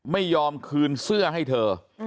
ไม่ยอมคืนเสื้อให้เธอ